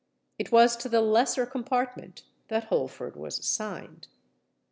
It was to the lesser compartment that Holford was assigned.